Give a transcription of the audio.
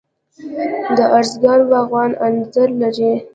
د ارزګان باغونه انځر لري.